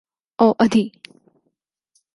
اوادھی